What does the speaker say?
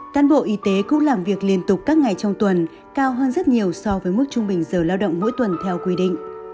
cán bộ y tế cũng làm việc liên tục các ngày trong tuần cao hơn rất nhiều so với mức trung bình giờ lao động mỗi tuần theo quy định